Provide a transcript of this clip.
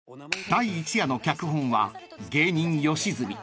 ［第一夜の脚本は芸人吉住］